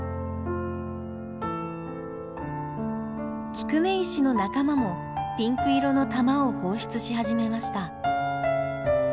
キクメイシの仲間もピンク色の玉を放出し始めました。